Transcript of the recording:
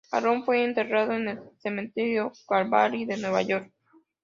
Harron fue enterrado en el Cementerio Calvary de Nueva York.